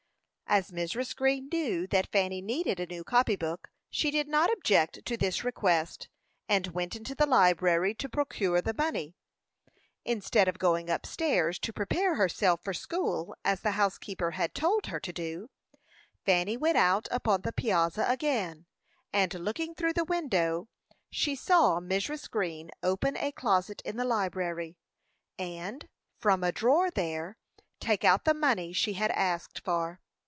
As Mrs. Green knew that Fanny needed a new copy book, she did not object to this request, and went into the library to procure the money. Instead of going up stairs to prepare herself for school, as the housekeeper had told her to do, Fanny went out upon the piazza again, and looking through the window, saw Mrs. Green open a closet in the library, and, from a drawer there, take out the money she had asked for.